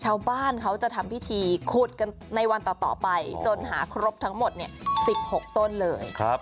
ชาวบ้านเขาจะทำวิธีขุดกันในวันต่อต่อไปจนหาครบทั้งหมดเนี้ยสิบหกต้นเลยครับ